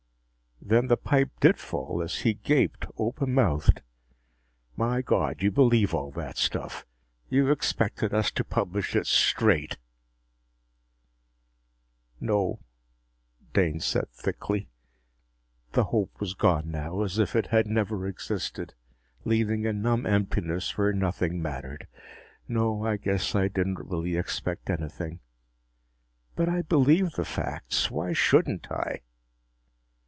Then the pipe did fall as he gaped open mouthed. "My God, you believe all that stuff. You expected us to publish it straight!" "No," Dane said thickly. The hope was gone now, as if it had never existed, leaving a numb emptiness where nothing mattered. "No, I guess I didn't really expect anything. But I believe the facts. Why shouldn't I?"